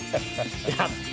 やった！